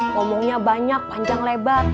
ngomongnya banyak panjang lebar